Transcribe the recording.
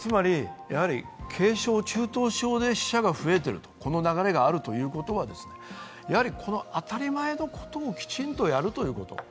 軽症・中等症で死者が増えているこの流れがあるということは、当たり前のことをきちんとやるということ。